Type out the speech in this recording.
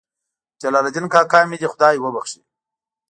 جلال الدین کاکا مې دې خدای وبخښي.